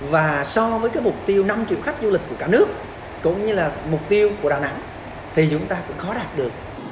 và so với cái mục tiêu năm triệu khách du lịch của cả nước cũng như là mục tiêu của đà nẵng thì chúng ta cũng khó đạt được